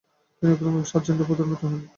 তিনি ক্রমে প্রথম সার্জেন্টের পদে উন্নীত হন।